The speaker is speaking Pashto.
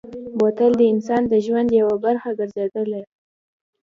بوتل د انسان د ژوند یوه برخه ګرځېدلې.